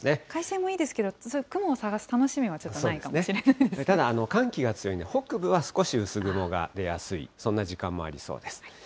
快晴もいいんですけど、雲を探す楽しみがちょっとないかもしただ、寒気が強いんで、北部は少し薄雲が出やすい、そんな時間もありそうです。